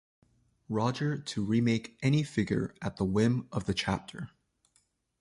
Roger to remake any figure at the whim of The Chapter.